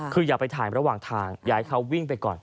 คืออย่าไปถ่ายระหว่างทางอย่าให้เขาวิ่งไปก่อน